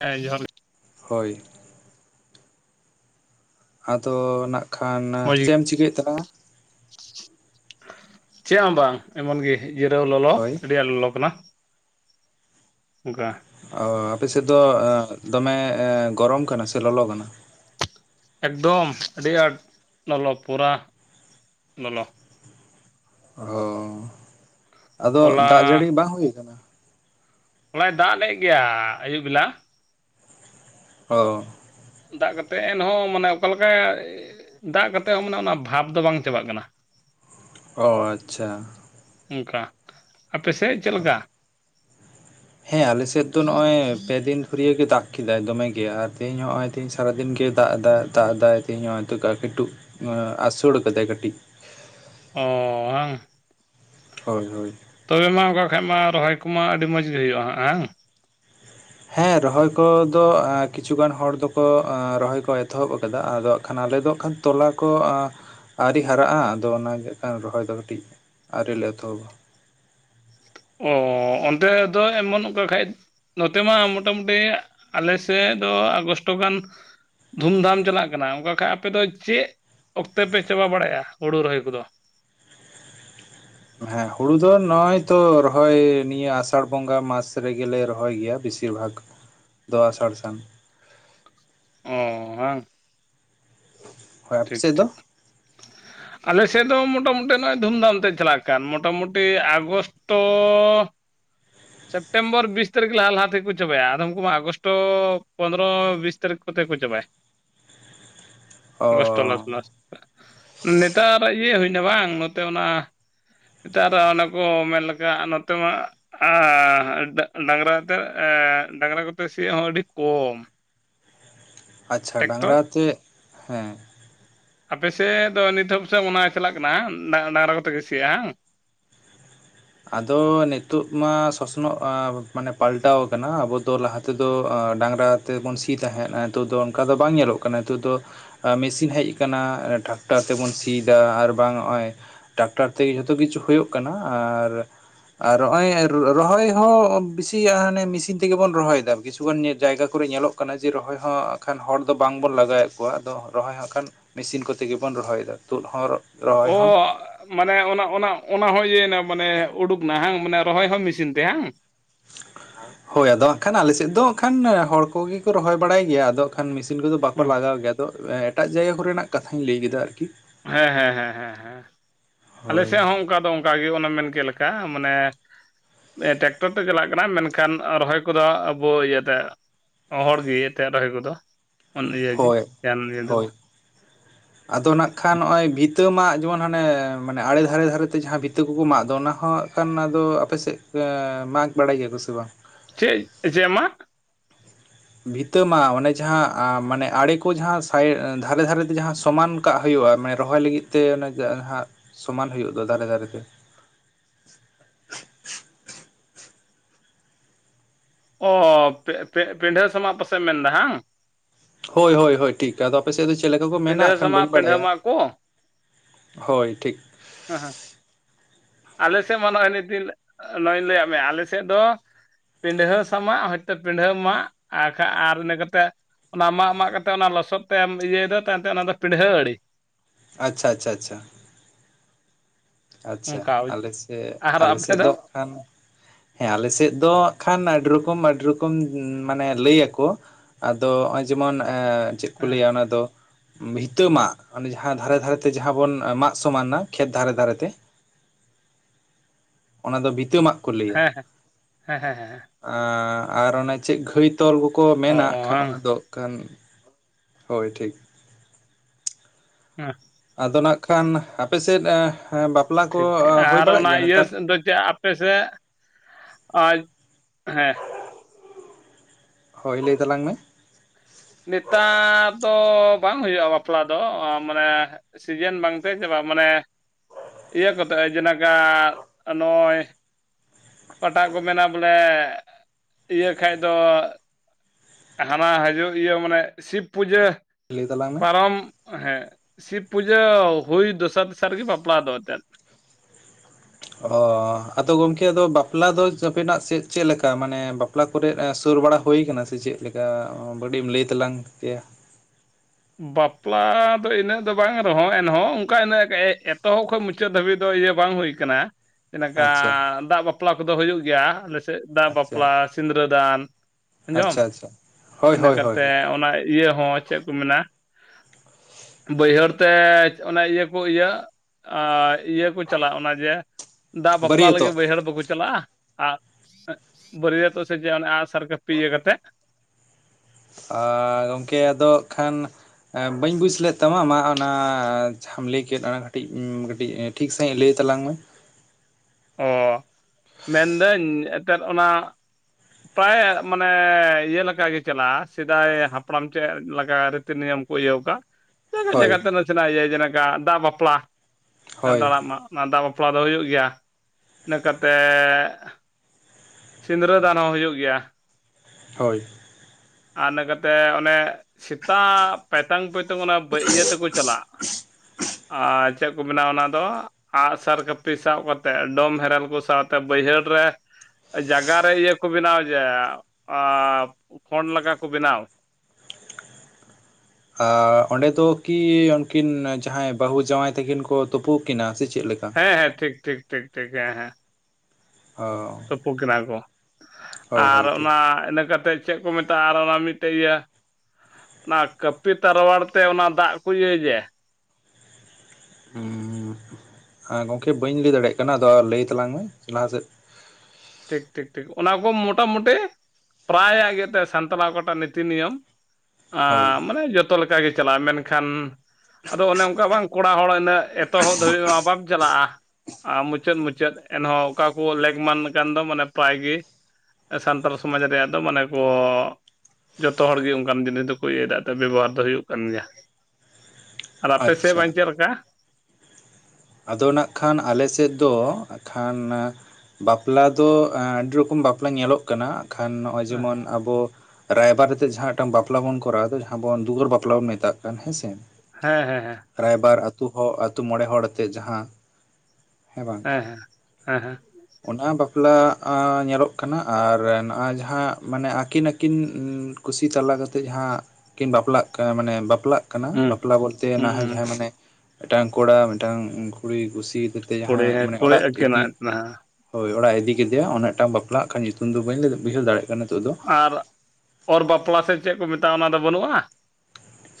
ᱦᱮᱸ ᱡᱚᱦᱟᱨ ᱜᱮ ᱦᱚᱭ ᱟᱫᱚ ᱱᱟᱜ ᱠᱷᱟᱱ ᱢᱚᱡᱽ ᱜᱮ ᱪᱮᱫ ᱮᱢ ᱪᱤᱠᱟᱹᱭᱮᱫ ᱛᱟᱞᱟᱝᱼᱟ?. ᱪᱮᱫ ᱦᱚᱸ ᱵᱟᱝ ᱮᱢᱚᱱ ᱜᱮ ᱡᱤᱨᱟᱹᱣ ᱞᱚᱞᱚ ᱦᱳᱭ ᱟᱹᱰᱤ ᱟᱸᱴ ᱞᱚᱞᱚ ᱠᱟᱱᱟ᱾ ᱚᱱᱠᱟ ᱚᱻ ᱟᱯᱮ ᱥᱮᱫ ᱫᱚ ᱫᱚᱢᱮ ᱜᱚᱨᱚᱢ ᱠᱟᱱᱟ ᱥᱮ ᱞᱚᱞᱚ ᱠᱟᱱᱟ?. ᱮᱠᱫᱚᱢ ᱟᱹᱰᱤ ᱟᱸᱴ ᱞᱚᱞᱚ ᱯᱩᱨᱟ ᱞᱚᱞᱚ ᱚᱻ ᱟᱫᱚ ᱦᱚᱞᱟ ᱫᱟᱜ ᱡᱟᱹᱲᱤ ᱵᱟᱝ ᱦᱩᱭᱩ ᱟᱠᱟᱱᱟ᱾ ᱦᱚᱞᱟᱭ ᱫᱟᱜ ᱞᱮᱫ ᱜᱮᱭᱟ ᱟᱹᱭᱩᱵ ᱵᱮᱞᱟ [unintelligible] ᱫᱟᱜ ᱠᱟᱛᱮᱜ ᱮᱱᱦᱚᱸ ᱢᱟᱱᱮ ᱚᱠᱟᱞᱮᱠᱟᱭ ᱫᱟᱜ ᱠᱟᱛᱮᱫ ᱦᱚᱸ ᱢᱟᱱᱮ ᱚᱱᱟ ᱵᱷᱟᱵᱽ ᱫᱚ ᱵᱟᱝ ᱪᱟᱵᱟᱜ ᱠᱟᱱᱟ᱾ ᱚᱻ ᱟᱪᱷᱟ᱾ ᱚᱱᱠᱟ ᱟᱯᱮ ᱥᱮᱫ ᱪᱮᱫᱞᱮᱠᱟ?. ᱦᱮᱸ ᱟᱞᱮᱥᱮᱫ ᱫᱚ ᱱᱚᱜᱼᱚᱭ ᱯᱮ ᱫᱤᱱ ᱫᱷᱚᱨᱤᱭᱟᱹ ᱜᱮ ᱫᱟᱜ ᱠᱮᱫᱟᱭ ᱫᱚᱢᱮᱜᱮ ᱟᱨ ᱛᱮᱦᱤᱧ ᱱᱚᱜᱼᱚᱭ ᱛᱦᱤᱧ ᱥᱟᱨᱟᱫᱤᱱ ᱜᱮᱭ ᱫᱟᱜ ᱮᱫᱟ ᱫᱟᱜ ᱮᱟᱭ ᱛᱮᱦᱤᱧ ᱱᱚᱜᱚᱭ ᱛ ᱠᱟᱹᱴᱩᱜ ᱚᱻ ᱟᱥᱩᱲ ᱠᱟᱫᱟᱭ ᱠᱟᱹᱴᱤᱡ [unintelligible] ᱦᱳᱭ ᱦᱳᱭ ᱛᱚᱵᱮ ᱢᱟ ᱚᱱᱠᱟ ᱠᱷᱟᱱ ᱢᱟ ᱨᱚᱦᱚᱭ ᱠᱚᱢᱟ ᱟᱹᱰᱤ ᱢᱚᱡᱽ ᱜᱮ ᱦᱩᱭᱩᱜᱼᱟ ᱦᱟᱝ ᱦᱮᱸ ᱨᱚᱦᱚᱭ ᱠᱚᱫᱚ ᱠᱤᱪᱷᱩᱜᱟᱱ ᱦᱚᱲ ᱫᱚᱠᱚ ᱨᱚᱦᱚᱭ ᱠᱚ ᱮᱛᱚᱦᱚᱵ ᱟᱠᱟᱫᱟ ᱟᱫᱚ ᱠᱷᱟᱱ ᱟᱞᱮᱚ ᱦ ᱠᱷᱟᱱ ᱛᱚᱞᱟ ᱠᱚ ᱟᱹᱣᱨᱤ ᱦᱟᱨᱟᱜᱼᱟ ᱟᱫᱚ ᱚᱱᱟᱜᱮ ᱦᱟᱸ ᱠᱷᱟᱱ ᱨᱚᱦᱚᱭ ᱫᱚ ᱠᱟᱹᱴᱤᱡ ᱟᱣᱨᱤ ᱞᱮ ᱮᱛᱚᱦᱚᱵᱼᱟ ᱚ ᱚᱱᱛᱮ ᱫᱚ ᱮᱢᱚᱱ ᱚᱱᱠᱟ ᱠᱷᱟᱡ ᱱᱚᱛᱮ ᱢᱟ ᱢᱚᱴᱟᱢᱩᱴᱤ ᱟᱞᱮ ᱥᱮᱫ ᱫᱚ ᱟᱜᱚᱥᱴᱚ ᱜᱟᱱ ᱫᱷᱩᱢᱫᱷᱟᱢ ᱪᱟᱞᱟᱜ ᱠᱟᱱᱟ ᱚᱱᱠᱟ ᱠᱷᱟᱱ ᱟᱯᱮ ᱫᱚ ᱪᱮᱫ ᱚᱠᱛᱮ ᱯᱮ ᱪᱟᱵᱟ ᱵᱟᱲᱟᱭᱟ ᱦᱩᱲᱩ ᱨᱚᱦᱚᱭ ᱠᱚᱫᱚ ᱦᱮᱸ ᱦᱩᱲᱩ ᱫᱚ ᱱᱚᱜᱚᱭ ᱛᱚ ᱨᱚᱦᱚᱭ ᱱᱤᱭᱟᱹ ᱟᱥᱟᱲ ᱵᱚᱸᱜᱟ ᱢᱟᱥ ᱨᱮᱜᱮ ᱨᱚᱦᱚᱭ ᱜᱮᱭᱟ ᱵᱤᱥᱤ ᱵᱤᱥᱤᱨ ᱵᱷᱟᱜᱽ ᱫᱚ ᱟᱥᱟᱲ ᱥᱟᱱ ᱚᱻ ᱦᱟᱝ ᱦᱳᱭ ᱟᱯᱮ ᱴᱷᱤᱠ ᱥᱮᱫ ᱫᱚ ᱴᱷᱤᱠ [inaudible] ᱟᱞᱮ ᱥᱮᱫ ᱫᱚ ᱢᱚᱴᱟᱢᱩᱴᱤ ᱱᱚᱜᱼᱚᱭ ᱫᱷᱩᱢᱫᱷᱟᱢ ᱛᱮ ᱪᱟᱞᱟᱜ ᱠᱟᱱ ᱢᱚᱴᱟᱢᱩᱴᱤ ᱟᱜᱚᱥᱛ ᱛᱚᱻ [unintelligible] ᱥᱮᱯᱴᱮᱢᱵᱚᱨ ᱵᱤᱥ ᱛᱟᱹᱨᱤᱠᱷ ᱞᱟᱦᱟ ᱞᱟᱦᱟ ᱛᱮᱠᱚ ᱪᱟᱵᱟᱭᱟ ᱟᱫ ᱩᱱᱠᱩᱢᱟ ᱟᱜᱚᱥᱴᱚ ᱯᱚᱱᱨᱚ ᱵᱤᱥ ᱛᱟᱹᱨᱤᱠᱷ ᱠᱚᱛᱮ ᱠᱚ ᱪᱟᱵᱟᱭᱟ᱾ ᱚ ᱟᱜᱚᱥᱴᱚ ᱞᱟᱥ ᱞᱟᱥ ᱱᱮᱛᱟᱨᱟᱜ ᱤᱭᱟᱹ ᱦᱩᱭᱱᱟ ᱵᱟᱝ ᱱᱚᱛᱮ ᱚᱱᱟ ᱱᱮᱛᱟᱨ ᱚᱱᱮ ᱠᱚ ᱢᱮᱱ ᱞᱮᱠᱟ ᱱᱚᱛᱮ ᱢᱟ ᱰᱟᱝᱨᱟᱛᱮ ᱰᱟᱝᱨᱟ ᱠᱚᱛᱮ ᱥᱤᱭᱜ ᱦᱚᱸ ᱟᱹᱰᱤ ᱠᱚᱢ ᱟᱪᱷᱟ ᱴᱮᱠᱴᱚᱨ ᱰᱟᱝᱨᱟ ᱟ ᱛᱮ ᱦᱮᱸ ᱟᱯᱮᱥᱮᱫ ᱫᱚ ᱱᱤᱛᱦᱟᱹᱵ ᱥᱮᱫ ᱚᱱᱟ ᱪᱟᱞᱟᱜ ᱠᱟᱱᱟ ᱰᱟᱝᱨᱟ ᱠᱚᱛᱮ ᱠᱚ ᱥᱤᱭᱟᱜᱼᱟ ᱵᱟᱝ ᱟᱫᱚ ᱱᱤᱛᱚᱜ ᱢᱟ ᱥᱚᱥᱱᱚᱜ ᱢᱟᱱᱮ ᱯᱟᱞᱴᱟᱣ ᱟᱠᱟᱱᱟ ᱟᱵᱚᱫᱚ ᱞᱟᱦᱟ ᱛᱮᱫᱚ ᱰᱟᱝᱨᱟ ᱛᱮ ᱵᱚᱱ ᱥᱤ ᱛᱟᱦᱮᱸᱱᱟ ᱱᱤᱛᱚᱜ ᱫᱚ ᱚᱱᱠᱟ ᱫᱚ ᱵᱟᱝ ᱧᱮᱞᱚᱜ ᱠᱟᱱᱟ ᱱᱤᱛᱚᱜ ᱫᱚ ᱢᱮᱥᱤᱱ ᱦᱮᱡ ᱟᱠᱟᱱᱟ ᱴᱨᱟᱠᱴᱟᱨ ᱛᱮᱵᱚᱱ ᱥᱤᱭᱟ ᱟᱨ ᱵᱟᱝ ᱱᱚᱜᱼᱚᱭ ᱴᱟᱠᱴᱟᱨ ᱛᱮᱜᱮ ᱡᱷᱚᱛᱚ ᱠᱤᱪᱷᱩ ᱦᱩᱭᱩᱜᱳ ᱠᱟᱱᱟ ᱟᱨ᱾ ᱟᱨ ᱱᱚᱜ ᱚᱚᱭ ᱨᱚᱦᱚᱭ ᱦᱚᱸ ᱢᱤᱥᱤᱱ ᱟᱛᱮ ᱢᱮᱥᱤᱱ ᱛᱮᱜᱮ ᱵᱚᱱ ᱨᱚᱦᱚᱭᱮᱫᱟ ᱠᱤᱪᱷᱩᱩᱜᱟᱱ ᱡᱟᱭᱜᱟ ᱠᱚᱨᱮ ᱧᱮᱞᱚᱜ ᱠᱟᱱᱟ ᱠᱟᱱᱟ ᱡᱮ ᱨᱚᱦᱚᱭ ᱦᱚᱸ ᱠᱷᱟᱱ ᱦᱚᱲ ᱫᱚ ᱵᱟᱝᱵᱚᱱ ᱞᱟᱜᱟᱣᱮᱫ ᱠᱚᱣᱟ ᱟᱫᱚ ᱨᱚᱦᱚᱭ ᱦᱚᱸ ᱦᱟᱸᱜ ᱠᱷᱟᱱ᱾ ᱢᱮᱥᱤᱱ ᱠᱚᱛᱮᱜᱮᱵᱩᱱ ᱨᱚᱦᱚᱭᱮᱫᱟ ᱛᱩᱫ ᱦᱚᱸ᱾ ᱨᱚᱦᱚᱭ ᱚ ᱦᱚᱸ ᱢᱟᱱᱮ ᱚᱱᱟ ᱚᱱᱟ ᱚᱱᱟ ᱦᱚᱸ ᱤᱭᱟ ᱮᱱᱟ ᱢᱟᱱᱮ ᱩᱰᱩᱠ ᱮᱱᱟ ᱦᱟᱝ ᱢᱟᱱᱮ ᱨᱚᱦᱚᱭ ᱦᱚᱸ ᱢᱮᱥᱤᱱ ᱛᱮ ᱦᱟᱝ ᱦᱳᱭ ᱟᱫᱚ ᱦᱟᱸᱜ ᱠᱷᱟᱱ ᱟᱞᱮ ᱥᱮᱫ ᱫᱚ ᱦᱟᱸ ᱠᱷᱟᱱ ᱦᱚᱲ ᱠᱚᱜᱮ ᱠᱚ ᱨᱚᱦᱚᱭ ᱵᱟᱲᱟᱭ ᱜᱮᱭᱟ ᱟᱫᱚ ᱠᱷᱟᱱ ᱢᱮᱥᱤᱱ ᱠᱚᱫᱚ ᱵᱟᱠᱚ ᱞᱟᱜᱟᱣ ᱜᱮᱭᱟ ᱟᱫ ᱮᱴᱟᱜ ᱡᱟᱭᱜᱟ ᱠᱚᱨᱮᱱᱟᱜ ᱠᱟᱛᱷᱟᱧ ᱞᱟᱹᱭ ᱞᱮᱫᱟ ᱟᱨᱠᱤ ᱦᱮᱸ ᱦᱮᱸ ᱦᱮᱸ ᱦᱮᱸ ᱦᱮᱸ ᱟᱞᱮ ᱦᱳᱭ ᱥᱮᱫ ᱦᱚᱸ ᱚᱱᱠᱟ ᱫᱚ ᱚᱱᱠᱟ ᱜᱮ ᱚᱱᱮ ᱢᱮᱱ ᱠᱮᱫ ᱞᱮᱠᱟ ᱢᱟᱱᱮ ᱴᱨᱟᱠᱴᱚᱨ ᱛᱮ ᱪᱟᱞᱟᱜ ᱠᱟᱱᱟ ᱢᱮᱱᱠᱷᱟᱱ ᱨᱚᱦᱚᱭ ᱠᱚᱫᱚ ᱟᱵᱚ ᱤᱭᱟᱹᱛᱮ ᱦᱚᱲ ᱜᱮ ᱤᱭᱟᱛᱮ ᱨᱚᱦᱚᱭ ᱠᱚᱫᱚ ᱤᱭᱟᱹ ᱜᱮ ᱦᱳᱭ ᱡᱟᱦᱟᱱ ᱤᱭᱟᱹ ᱫᱚ ᱦᱳᱭ ᱵᱟᱝ ᱟᱫᱚ ᱱᱟᱜ ᱠᱷᱟᱱ ᱱᱚᱜᱼᱚᱭ ᱵᱷᱤᱛ ᱵᱤᱛᱟᱹ ᱢᱟᱜ ᱡᱮᱢᱚᱱ ᱦᱟᱱᱮ ᱢᱟᱱᱮ ᱟᱲᱮ ᱫᱷᱟᱨᱮ ᱫᱷᱟᱨᱮᱛᱮ ᱡᱟᱦᱟᱸ ᱵᱤᱛᱟᱹ ᱠᱚᱠᱚ ᱢᱟᱜ ᱫᱚ ᱚᱱᱟ ᱦᱚᱸ ᱦᱜ ᱠᱟᱱᱟᱱ ᱚᱱᱟᱫᱚ ᱟᱯᱮᱥᱮᱫ ᱢᱟᱜᱽ ᱵᱟᱲᱟᱭ ᱜᱮᱭᱟᱠᱚ ᱥᱮ ᱵᱟᱝ ᱪᱮᱫ ᱪᱮᱫ ᱢᱟᱜ ᱵᱷᱤᱛᱟᱹ ᱢᱟ ᱚᱱᱮ ᱡᱟᱦᱟᱸ ᱢᱟᱱᱮ ᱟᱲᱮ ᱠᱚ ᱡᱟᱦᱟᱸ ᱥᱟᱭᱤᱰ ᱫᱷᱟᱨᱮ ᱫᱷᱟᱨᱮᱛᱮ ᱡᱟᱦᱟᱸ ᱥᱚᱢᱟᱱ ᱠᱟᱜ ᱦᱩᱭᱩᱜᱼᱟ ᱢᱟᱱᱮ ᱨᱚᱦᱚᱭ ᱞᱟᱹᱜᱤᱫ ᱛᱮ ᱚᱱᱮᱟᱜ ᱥᱚᱢᱟᱱ ᱦᱩᱭᱩᱜ ᱫᱚ ᱫᱷᱟᱨᱮ ᱫᱷᱟᱨᱮ ᱛᱮ ᱚᱻ ᱯᱤᱰᱷᱟᱹ ᱥᱚᱢᱟᱜ ᱯᱟᱥᱮᱡ ᱢᱮᱱ ᱮᱫᱟ ᱵᱟᱝ ᱦᱳᱭ ᱦᱳᱭ ᱦᱭ ᱴᱷᱤᱠ᱾ ᱟᱫᱚ ᱟᱯᱮ ᱥᱮᱫ ᱫᱚ ᱪᱮᱫ ᱞᱮᱠᱟ ᱠᱚ ᱢᱮᱱᱟ ᱯᱤᱰᱷᱟᱹ ᱠᱷᱟᱱ ᱥᱟᱢᱟᱜ ᱵᱟᱹᱧ ᱯᱤᱰᱷᱟᱹ ᱵᱟᱲᱟᱭᱟ ᱢᱟᱜ ᱠᱚ ᱦᱳᱭ ᱴᱷᱤᱠ᱾ ᱦ ᱦᱮᱸ ᱟᱞᱮ ᱥᱮᱫ ᱢᱟ ᱱᱚᱜᱼᱚᱭ ᱱᱤᱛᱤ ᱱᱚᱜᱚᱭᱧ ᱞᱟᱹᱫ ᱢᱮᱭᱟ ᱟᱞᱮ ᱥᱮᱫ ᱫᱚ ᱯᱤᱰᱷᱟᱹᱣ ᱥᱟᱢᱟᱜ ᱦᱚᱭᱛᱳ ᱯᱤᱰᱷᱟᱹᱣ ᱢᱟ ᱟᱨᱷᱟ ᱟᱨ ᱤᱱᱟᱹ ᱠᱟ ᱠᱟᱛᱮᱮᱫ ᱚᱱᱟ ᱢᱟᱜ ᱢᱟᱜ ᱠᱟᱛᱮ ᱚᱱᱟ ᱞᱚᱥᱚᱫ ᱛᱮ ᱮᱢ ᱤᱭᱟᱹᱭᱮᱫᱟ ᱛᱟᱭᱚᱢᱛᱮ ᱚᱱᱟ ᱫᱚ ᱯᱤᱰᱷᱟᱹ ᱟᱲᱮ ᱟᱪᱪᱷᱟ ᱟᱪᱷᱟ ᱟᱪᱪᱷᱟ ᱟᱪᱪᱷᱟ ᱚᱱᱠᱟ ᱟᱞᱮ ᱥᱮᱫ ᱟᱨ ᱟᱞᱮ ᱟᱯᱮ ᱥᱮᱫ ᱫᱚ ᱠᱷᱟᱱ ᱦᱮᱸ ᱟᱞᱮ ᱥᱮᱫ ᱫᱚ ᱠᱷᱟᱱ ᱟᱹᱰᱤ ᱨᱚᱠᱚᱢ ᱟᱹᱰᱤ ᱨᱚᱠᱚᱢ ᱢᱟᱱᱮ ᱞᱟᱹᱭ ᱟᱠᱚ ᱟᱫᱚ ᱱᱚᱜᱼᱚᱭ ᱡᱮᱢᱚᱱ ᱪᱮᱫ ᱠᱚ ᱦᱮᱸ ᱞᱟᱹᱭᱟ ᱚᱱᱟ ᱫᱚ ᱵᱷᱤᱛᱟᱹ ᱢᱟᱜ ᱚᱱᱮ ᱡᱟᱦᱟᱸ ᱫᱷᱟᱨᱮ ᱫᱷᱟᱨᱮᱛᱮ ᱡᱟᱦᱟᱸ ᱵᱚᱱ ᱢᱟᱜ ᱥᱚᱢᱟᱱᱱᱟ ᱠᱷᱮᱛ ᱫᱷᱟᱨᱮ ᱫᱷᱟᱨᱮᱛᱮ ᱚᱱᱟ ᱫᱚ ᱵᱷᱤᱛᱟᱹ ᱢᱟᱜ ᱠᱚ ᱞᱟᱹᱭᱟ ᱦᱮᱸ ᱦᱮᱸ ᱦᱮᱸ ᱦᱮᱸ ᱦᱮᱸ ᱟᱨ ᱚᱱᱮ ᱪᱮᱫ ᱜᱷᱟᱹᱭ ᱛᱚᱞ ᱠᱚᱠᱚ ᱚ ᱢᱮᱱᱟᱜ ᱚ ᱠᱷᱟᱱ ᱵᱟᱝ ᱚᱱᱟ ᱫᱚ ᱠᱷᱟᱱ ᱦᱳᱭ ᱴᱷᱤᱠ ᱦᱮᱸ ᱟᱫᱚ ᱱᱟᱜ ᱠᱷᱟᱱ ᱟᱯᱮ ᱥᱮᱫ ᱵᱟᱯᱞᱟ ᱠᱚ ᱴᱷᱤᱠ ᱴᱷᱤᱠ ᱦᱩᱭ ᱟᱨ ᱵᱟᱲᱟᱜ ᱚᱱᱟ ᱜᱮᱭᱟ ᱤᱭᱟᱹ ᱱᱮᱛᱟᱨ ᱫᱚ ᱪᱮᱫ ᱟᱯᱮ ᱥᱮᱫ ᱟᱡ ᱦᱮᱸ ᱦᱳᱭ ᱞᱟᱹᱭ ᱛᱟᱞᱟᱝ ᱢᱮ ᱱᱮᱛᱟᱨ ᱫᱚ ᱵᱟᱝ ᱦᱩᱭᱩᱜ-ᱟ ᱵᱟᱯᱞᱟ ᱫᱚ ᱢᱟᱱᱮ ᱥᱤᱡᱮᱱ ᱵᱟᱝᱛᱮ ᱪᱟᱵᱟᱜ ᱢᱟᱱᱮ ᱤᱭᱟᱹ ᱠᱚᱛᱮ ᱡᱮᱞᱮᱠᱟ ᱱᱚᱜᱼᱚᱭ ᱯᱟᱴᱟ ᱠᱚ ᱢᱮᱱᱟ ᱵᱚᱞᱮ ᱤᱭᱟᱹ ᱠᱷᱟᱱ ᱫᱚ ᱦᱟᱱᱟ ᱦᱤᱡᱩᱜ ᱤᱭᱟᱹ ᱢᱟᱱᱮ ᱥᱤᱵᱽ ᱯᱩᱡᱟᱹ ᱞᱟᱹᱭ ᱛᱟᱞᱟᱝ ᱢᱮ ᱯᱟᱨᱚᱢ ᱦᱮᱸ ᱥᱤᱵᱽ ᱯᱩᱡᱟᱹ ᱦᱩᱭ ᱫᱚᱥᱟᱨ ᱫᱚᱥᱟᱨ ᱨᱮᱜᱮ ᱵᱟᱯᱞᱟ ᱫᱚ ᱮᱱᱛᱮᱫ ᱚ ᱟᱫᱚ ᱜᱚᱝᱠᱮ ᱟᱫᱚ ᱵᱟᱯᱞᱟ ᱫᱚ ᱟᱯᱮᱱᱟᱜ ᱥᱮᱫ ᱪᱮᱫᱞᱮᱠᱟ ᱢᱟᱱᱮ ᱵᱟᱯᱞᱟ ᱠᱚᱨᱮᱫ ᱥᱩᱨ ᱵᱟᱲᱟ ᱦᱩᱭ ᱟᱠᱟᱱᱟ ᱥᱮ ᱪᱮᱫ ᱞᱮᱠᱟ ᱠᱟᱹᱲᱤᱡ ᱮᱢ ᱞᱟᱹᱭ ᱛᱟᱞᱟᱝ ᱠᱮᱭᱟ ᱵᱟᱯᱞᱟ ᱫᱚ ᱤᱱᱟᱹᱜ ᱫᱚ ᱵᱟᱝ ᱨᱮᱦᱚᱸ ᱮᱱᱦᱚᱸ ᱚᱱᱠᱟ ᱤᱱᱟᱹᱜ ᱮᱛᱚᱦᱚᱵ ᱠᱷᱚᱱ ᱢᱩᱪᱟᱹᱫ ᱢᱩᱪᱟᱹᱫ ᱫᱷᱟᱹᱵᱤᱡ ᱫᱚ ᱤᱭᱟᱹ ᱵᱟᱝ ᱦᱩᱭ ᱟᱠᱟᱱᱟ ᱡᱮᱞᱠᱟ ᱟᱪᱪᱷᱟ ᱫᱟᱜ ᱵᱟᱯᱞᱟ ᱠᱚᱫᱚ ᱦᱩᱭᱩᱜ ᱜᱮᱭᱟ ᱟᱞᱮ ᱥᱮᱫ ᱫᱟᱜ ᱟᱪᱪᱷᱟ ᱵᱟᱯᱞᱟ ᱥᱤᱸᱫᱽᱨᱟᱹᱫᱟᱱ ᱟᱸᱡᱚᱢ ᱟᱪᱪᱷᱟ ᱟᱪᱪᱷᱟ ᱦᱳᱭ ᱤᱱᱟᱹ ᱦᱳᱭ ᱦᱳᱭ ᱠᱟᱛᱮ ᱚᱱᱟ ᱤᱭᱟᱹ ᱦᱚᱸ ᱪᱮᱫ ᱠᱚ ᱢᱮᱱᱟ ᱵᱟᱹᱭᱦᱟᱹᱲ ᱛᱮ ᱚᱱᱮ ᱤᱭᱟᱹ ᱠᱚ ᱤᱭᱟᱹ ᱤᱭᱟᱹ ᱠᱚ ᱪᱟᱞᱟᱜᱼᱟ ᱚᱱᱮ ᱡᱮ ᱫᱟᱜ ᱵᱟᱯᱞᱟ ᱞᱟᱹᱜᱤᱫ ᱵᱟᱹᱨᱭᱟᱹᱛᱚᱜ ᱵᱟᱹᱭᱦᱟᱹᱲ ᱵᱟᱠᱚ ᱪᱟᱞᱟᱜᱼᱟ ᱟᱨ ᱵᱟᱹᱨᱭᱟᱹᱛᱚᱜ ᱥᱮ ᱡᱮ ᱚᱱ ᱟᱸᱜᱥᱟᱨ ᱠᱟᱹᱯᱤ ᱤᱭᱟᱹ ᱠᱟᱛᱮᱜ ᱟᱨ ᱜᱚᱢᱠᱮ ᱟᱫᱚ ᱠᱷᱟᱱ ᱵᱟᱹᱧ ᱵᱩᱡᱽ ᱞᱮᱫ ᱛᱟᱢᱟ ᱟᱢ ᱚᱱᱟ ᱡᱟᱦᱟᱸᱢ ᱞᱟᱹᱭ ᱠᱮᱫ ᱚᱱᱟ ᱠᱟᱹᱴᱤᱡ ᱠᱟᱹᱴᱤᱡ ᱴᱷᱤᱠ ᱥᱟᱟᱹᱦᱤᱡ ᱞᱟᱹᱭ ᱛᱟᱞᱟᱝ ᱢᱮ ᱚ ᱢᱮᱱᱫᱟᱹᱧ ᱮᱱᱛᱮᱫ ᱚᱱᱟ ᱯᱨᱟᱭ ᱢᱟᱱᱮ ᱤᱭᱟᱹ ᱞᱮᱠᱟ ᱜᱮ ᱪᱟᱞᱟᱜᱼᱟ ᱥᱮᱫᱟᱭ ᱦᱟᱯᱲᱟᱢ ᱪᱮᱫ ᱞᱮᱠᱟ ᱨᱤᱛᱤ ᱱᱤᱭᱚᱢ ᱠᱚ ᱤᱭᱟᱹᱣ ᱟᱠᱟᱫ ᱡᱟᱭ ᱦᱳᱭ ᱡᱟᱠᱟᱛᱮ ᱱᱟᱥᱮᱱᱟᱜ ᱤᱭᱟᱹ ᱡᱮᱠᱟ ᱫᱟᱜ ᱵᱟᱯᱞᱟ ᱦᱳᱭ ᱥᱟᱱᱛᱟᱲᱟᱜ ᱢᱟ ᱚᱱᱟ ᱫᱟᱜ ᱵᱟᱯᱞᱟ ᱫᱚ ᱦᱩᱭᱩᱜ ᱜᱮᱭᱟ ᱤᱱᱟᱹ ᱠᱟᱛᱮ ᱥᱤᱸᱫᱽᱨᱟᱹ ᱫᱟᱱ ᱦᱚᱸ ᱦᱩᱭᱩᱜ ᱜᱮᱭᱟ ᱦᱳᱭ ᱟᱨᱱᱟᱹ ᱠᱟᱛᱮ ᱚᱱᱮ ᱥᱮᱛᱟᱜ ᱯᱟᱭᱛᱟᱝ ᱯᱚᱭᱛᱩᱝ ᱚᱱᱟ ᱤᱭᱟᱹ ᱛᱮᱠᱚ ᱼᱼ ᱪᱟᱞᱟᱜ ᱟᱨ ᱪᱮᱫ ᱠᱚ ᱢᱮᱱᱟ ᱚᱱᱟ ᱫᱚ ᱼᱼ ᱟᱸᱜᱼᱥᱟᱨ ᱠᱟᱹᱯᱤ ᱥᱟᱵ ᱠᱟᱛᱮᱫ ᱰᱚᱢ ᱦᱮᱨᱮᱞ ᱠᱚ ᱥᱟᱶᱛᱮ ᱵᱟᱹᱭᱦᱟᱹᱲ ᱨᱮ ᱼᱼ ᱡᱟᱭᱜᱟᱮ ᱤᱭᱟᱹ ᱠᱚ ᱵᱮᱱᱟᱣ ᱡᱮᱜᱟᱸ ᱨᱮ ᱤᱭᱟᱹ ᱠᱚ ᱢᱮᱱᱟᱜ ᱜᱮᱭᱟ ᱯᱷᱚᱰ ᱞᱮᱠᱟ ᱠᱚ ᱵᱮᱱᱟᱣ᱾ ᱟᱨ ᱚᱸᱰᱮ ᱫᱚ ᱠᱤ ᱩᱱᱠᱤᱱ ᱡᱟᱦᱟᱸᱭ ᱵᱟᱹᱦᱩ ᱡᱟᱶᱟᱭ ᱛᱟᱹᱠᱤᱱ ᱠᱚ ᱛᱩᱯᱩ ᱠᱤᱱᱟ ᱥᱮ ᱪᱮᱫ ᱞᱮᱠᱟ? ᱦᱮᱸ ᱦᱮᱸ ᱴᱷᱤᱠ ᱴᱷᱤᱠ ᱴᱷᱤᱠ ᱴᱷᱤᱠ ᱦᱮᱸ ᱦᱮᱸ ᱿ ᱚ ᱛᱩᱯᱩ ᱠᱤᱱᱟ ᱠᱚ ᱦᱳᱭ ᱟᱨ ᱦᱳᱭ ᱴᱷᱤᱠ ᱚᱱᱟ ᱤᱱᱟᱹ ᱠᱟᱛᱮᱫ ᱪᱮᱫ ᱠᱚ ᱢᱮᱛᱟᱜᱼᱟ ᱟᱨ ᱚᱱᱟ ᱢᱤᱫᱴᱮᱡ ᱤᱭᱟᱹ ᱼᱼ ᱚᱱᱟ ᱠᱟᱹᱯᱤ ᱛᱟᱨᱣᱟᱲ ᱛᱮ ᱚᱱᱟ ᱫᱟᱜ ᱠᱚ ᱤᱭᱟᱹᱭ ᱡᱮ। ᱜᱚᱢᱠᱮ ᱵᱟᱹᱧ ᱞᱟᱹᱭ ᱫᱟᱲᱮᱭᱟᱜ ᱠᱟᱱᱟ ᱟᱫᱚ ᱞᱟᱹᱭ ᱛᱟᱞᱟᱝ ᱢᱮ ᱞᱟᱦᱟ ᱥᱮᱫ। ᱴᱷᱤᱠ ᱴᱷᱤᱠ ᱴᱷᱤᱠ ᱚᱱᱟ ᱠᱚ ᱢᱳᱴᱟᱢᱩᱴᱤ, ᱯᱨᱟᱭ ᱭᱟᱜ ᱜᱮᱛᱮ ᱥᱟᱱᱛᱟᱲᱟᱜ ᱚᱠᱚᱴᱟᱜ ᱱᱤᱛᱤ ᱱᱤᱭᱚᱢ। ᱦᱳᱭ ᱟᱸᱻ ᱢᱟᱱᱮ ᱡᱚᱛᱚ ᱞᱮᱠᱟᱜᱮ ᱪᱟᱞᱟᱜᱼᱟ ᱢᱮᱱᱠᱷᱟᱱ ᱟᱫᱚ ᱚᱱᱮ ᱚᱱᱠᱟ ᱵᱟᱝ ᱠᱚᱲᱟ ᱦᱚᱲ ᱩᱱᱟᱹᱜ ᱮᱛᱚᱦᱚᱵ ᱫᱷᱟᱹᱵᱤᱡ ᱢᱟ ᱵᱟᱢ ᱪᱟᱞᱟᱜᱼᱟ। ᱟᱨ ᱢᱩᱪᱟᱹᱫ ᱢᱩᱪᱟᱹᱫ ᱮᱱᱦᱚᱸ ᱚᱠᱟ ᱠᱚ ᱞᱮᱠ ᱢᱟᱱ ᱟᱠᱟᱱ ᱫᱚ ᱢᱟᱱᱮ ᱯᱨᱟᱭ ᱜᱮ᱾ ᱥᱟᱱᱛᱟᱲ ᱥᱚᱢᱟᱡᱽ ᱨᱮᱭᱟᱜ ᱫᱚ ᱢᱟᱱᱮ ᱠᱚ ᱼᱼ ᱡᱚᱛᱚ ᱦᱚᱲᱟᱜ ᱚᱱᱠᱟᱱ ᱡᱤᱱᱤᱥ ᱫᱚᱠᱚ ᱤᱭᱟᱹᱭᱫᱟ ᱛᱚ ᱵᱮᱵᱚᱦᱟᱨ ᱫᱚ ᱦᱩᱭᱩᱜ ᱠᱟᱱ ᱜᱮᱭᱟ। [unintelligible] ᱟᱨ ᱚᱯᱮ ᱥᱮᱫ ᱵᱟᱧ ᱪᱮᱞᱮᱠᱟ ᱾ ᱟᱫᱚ ᱱᱟᱜ ᱠᱷᱟᱱ ᱟᱞᱮ ᱥᱮᱫ ᱫᱚ ᱠᱷᱟᱱ ᱵᱟᱯᱞᱟ ᱫᱚ ᱮᱻ ᱟᱹᱰᱤ ᱨᱚᱠᱚᱢ ᱵᱟᱯᱞᱟ ᱧᱮᱞᱚᱜ ᱠᱟᱱᱟ ᱠᱷᱟᱱ ᱱᱚᱜᱼᱚᱭ ᱡᱮᱢᱚᱱ ᱟᱵᱚ ᱨᱟᱭᱵᱟᱨ ᱟᱛᱮᱫ ᱡᱟᱦᱟᱸᱴᱟᱝ ᱵᱟᱯᱞᱟ ᱵᱚᱱ ᱠᱚᱨᱟᱣ ᱫᱚ ᱡᱟᱦᱟᱸ ᱵᱚᱱ ᱫᱣᱟᱹᱨ ᱵᱟᱯᱞᱟ ᱵᱚᱱ ᱢᱮᱛᱟᱜ ᱠᱟᱱ ᱦᱮᱸᱥᱮ᱾ ᱦᱮᱸ ᱦᱮᱸ ᱦᱮᱸ ᱨᱟᱭᱵᱟᱨ ᱟᱛᱩ ᱦᱚᱲ ᱟᱹᱛᱩ ᱢᱚᱬᱮ ᱦᱚᱲ ᱟᱛᱮᱜ ᱡᱟᱦᱟᱸ ᱦᱮᱸ ᱦᱮᱸ ᱦᱮᱸ ᱦᱮᱸ ᱚᱱᱟ ᱵᱟᱯᱞᱟ ᱟᱸᱻ ᱧᱮᱞᱚᱜ ᱠᱟᱱᱟ ᱟᱨ ᱱᱚᱜᱼᱚᱭ ᱡᱟᱦᱟᱸ ᱢᱟᱱᱮ ᱟᱹᱠᱤᱱ ᱟᱹᱠᱤᱱ ᱼᱼ ᱠᱩᱥᱤ ᱛᱟᱞᱟ ᱠᱟᱛᱮᱫ ᱡᱟᱦᱟᱸ ᱠᱤᱱ ᱵᱟᱯᱞᱟᱜ ᱠᱟᱱᱟ ᱢᱟᱱᱮ ᱵᱟᱯᱞᱟᱜ ᱠᱟᱱᱟ ᱦᱩᱸ ᱵᱟᱯᱞᱟ ᱵᱚᱞᱛᱮ ᱦᱩᱸ ᱱᱟᱦᱟᱜ ᱦᱩᱸ ᱡᱟᱦᱟᱸᱭ ᱢᱟᱱᱮ ᱢᱤᱫᱴᱟᱝ ᱠᱚᱲᱟ ᱢᱤᱫᱴᱟᱝ ᱠᱩᱲᱤ ᱠᱩᱥᱤ ᱼᱼ ᱠᱩᱲᱤ ᱡᱟᱦᱟᱸ ᱦᱮᱸ ᱢᱟᱱᱮ ᱠᱩᱲᱤ ᱚᱲᱟᱜ ᱤᱫᱤ, ᱟᱹᱠᱤᱱᱟᱜ ᱦᱮᱸ ᱦᱳᱭ ᱚᱲᱟᱜ ᱤᱫᱤ ᱠᱮᱫᱮᱭᱟ ᱚᱱᱮ ᱴᱟᱜ ᱵᱟᱯᱞᱟᱜ ᱠᱷᱟᱱ ᱧᱩᱛᱩᱢ ᱫᱚ ᱵᱟᱹᱧᱟᱹᱭ ᱵᱩᱡᱟᱹᱣ ᱫᱟᱲᱮᱭᱟᱜ ᱠᱟᱱᱟ ᱱᱤᱛᱚᱜ ᱫᱚ᱾ ᱟᱨ ᱚᱨ ᱵᱟᱯᱞᱟ ᱥᱮ ᱪᱮᱫ ᱠᱚ ᱢᱮᱛᱟᱜᱼᱟ ᱚᱱᱟ ᱫᱚ ᱵᱟᱹᱱᱩᱜᱼᱟ?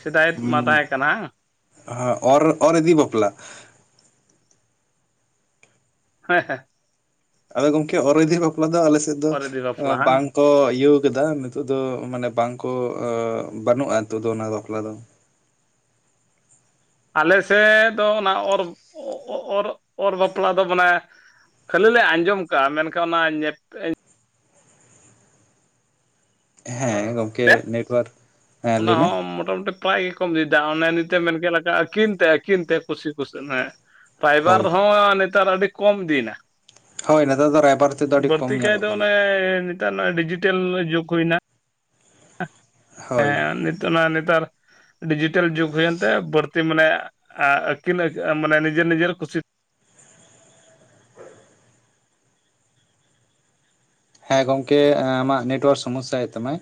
ᱥᱮᱫᱟᱭ ᱢᱟ ᱛᱟᱦᱮᱸ ᱠᱟᱱᱟ᱾ ᱟᱻ ᱚᱨ ᱚᱨ ᱤᱫᱤ ᱵᱟᱯᱞᱟ? ᱦᱮᱸ ᱦᱮᱸ ᱟᱫᱚ ᱜᱚᱝᱠᱮ ᱚᱨᱫᱷᱤ ᱵᱟᱯᱞᱟ ᱫᱚ ᱟᱞᱮᱥᱮᱫ ᱫᱚ ᱚᱨ ᱤᱫᱤ ᱵᱟᱯᱞᱟ ᱵᱟᱝ ᱠᱚ ᱤᱭᱟᱹᱣ ᱠᱮᱫᱟ ᱱᱤᱛᱚᱜᱜ ᱫᱚ ᱢᱟᱱᱮ ᱵᱟᱝ ᱠᱚ ᱚᱻ ᱵᱟᱹᱱᱩᱜᱼᱟ ᱱᱤᱛᱚᱜ ᱫᱚ ᱚᱱᱟ ᱵᱟᱯᱞᱟ ᱫᱚ। ᱟᱞᱮ ᱥᱮᱫ ᱫᱚ ᱚᱱᱟ ᱚᱨ ᱚ ᱚ ᱚ ᱚᱨ ᱵᱟᱯᱞᱟ ᱫᱚ ᱢᱟᱱᱮ ᱠᱷᱟᱹᱞᱤ ᱞᱮ ᱟᱸᱡᱚᱢ ᱠᱟᱜᱼᱟ ᱢᱮᱱᱠᱷᱟᱱ ᱚᱱᱟ ᱧᱮᱯ ᱦᱮᱸ ᱜᱚᱝᱠᱮ [inaudible] ᱚᱱᱟ ᱦᱚᱸ ᱢᱚᱴᱟᱢᱩᱴᱤ ᱱᱟᱯᱟᱭ ᱜᱮᱠᱚᱢ ᱤᱫᱤᱭᱟ ᱚᱱᱮ ᱱᱤᱛᱮᱢ ᱢᱮᱱ ᱠᱮᱫ ᱞᱮᱠᱟ ᱟᱹᱠᱤᱱ ᱛᱮ ᱟᱹᱠᱤᱱ ᱛᱮ ᱠᱩᱥᱤ ᱠᱩᱥᱤ ᱦᱚᱭ ᱯᱷᱟᱭᱵᱟᱨ ᱦᱳᱭ ᱦᱚᱸ ᱱᱮᱛᱟᱨ ᱟᱹᱰᱤ ᱠᱚᱢ ᱤᱫᱤᱱᱟ। ᱦᱳᱭ ᱱᱮᱛᱟᱨ ᱫᱚ ᱨᱟᱭᱵᱟᱨ ᱛᱮᱫᱚ ᱟᱹᱰᱤ ᱠᱚᱢ ᱧᱮᱞᱚᱜ ᱠᱟᱱᱟ [unintelligible] ᱦᱳᱭ [unintelligible] ᱱᱤᱛᱚᱜ ᱚᱱᱟ ᱱᱮᱛᱟᱨ ᱰᱤᱡᱤᱴᱟᱞ ᱡᱩᱜᱽ ᱦᱩᱭ ᱮᱱᱛᱮ ᱵᱟᱹᱲᱛᱤ ᱢᱟᱱᱮ ᱮᱸ ᱟᱹᱠᱤᱱ [unintelligible] ᱢᱟᱱᱮ ᱱᱤᱡᱮᱨ ᱱᱤᱡᱮᱨ ᱠᱷᱩᱥᱤ ᱦᱮᱸ ᱜᱚᱢᱠᱮ ᱟᱢᱟᱜ ᱱᱮᱴᱳᱣᱟᱨᱠ ᱥᱚᱢᱚᱥᱟ ᱭᱮᱜ ᱛᱟᱢᱟᱭ᱾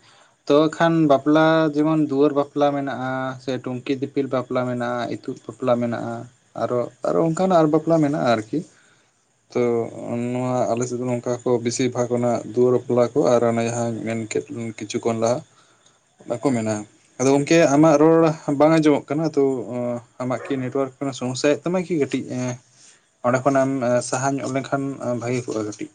ᱛᱚ ᱠᱷᱟᱱ ᱵᱟᱯᱞᱟ ᱡᱮᱢᱚᱱ ᱫᱩᱣᱟᱹᱨ ᱵᱟᱯᱞᱟ ᱢᱮᱱᱟᱜᱼᱟ ᱥᱮ ᱴᱩᱝᱠᱤ ᱫᱤᱯᱤᱞ ᱵᱟᱯᱞᱟ ᱢᱮᱱᱟᱜᱼᱟ ᱤᱛᱩᱫ ᱵᱟᱯᱞᱟ ᱢᱮᱱᱟᱜᱼᱟ ᱟᱨᱚ ᱟᱨᱚ ᱚᱱᱠᱟᱱᱟᱜ ᱟᱨ ᱵᱟᱯᱞᱟ ᱢᱮᱱᱟᱜᱼᱟ ᱟᱨᱜᱤ ᱛᱚ ᱱᱚᱣᱟ ᱟᱞᱮᱥᱮᱫ ᱫᱚ ᱱᱚᱝᱠᱟ ᱠᱚ ᱵᱤᱥᱤᱨ ᱵᱷᱟᱜᱽ ᱱᱟᱜ ᱫᱩᱣᱟᱹᱨ ᱵᱟᱯᱞᱟ ᱠᱚ ᱟᱨ ᱚᱱᱮ ᱡᱟᱦᱟᱸᱧ ᱢᱮᱱᱠᱮᱫ ᱠᱤᱪᱷᱩ ᱠᱷᱚᱱ ᱞᱟᱦᱟ ᱚᱱᱟ ᱵᱟᱠᱚ ᱢᱮᱱᱟ। ᱟᱫᱚ ᱜᱚᱝᱠᱮ ᱟᱢᱟᱜ ᱨᱚᱲ ᱵᱟᱝ ᱟᱸᱡᱚᱢᱚᱜ ᱠᱟᱱᱟ ᱛᱚ ᱟᱢᱟᱜ ᱠᱤ ᱱᱮᱴᱣᱟᱨᱠ ᱥᱚᱢᱚᱥᱟᱭ ᱮᱜ ᱫᱚᱢᱮᱠᱤ ᱠᱟᱹᱴᱤᱡ ᱚᱸᱰᱮ ᱠᱷᱚᱱᱚᱮᱢ ᱥᱟᱦᱟ ᱧᱚᱜ ᱞᱮᱱᱠᱷᱟᱱ ᱵᱷᱟᱜᱤ ᱠᱚᱜᱼᱟ ᱠᱟᱹᱴᱤᱡ